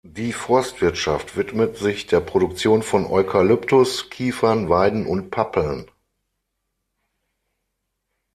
Die Forstwirtschaft widmet sich der Produktion von Eukalyptus, Kiefern, Weiden und Pappeln.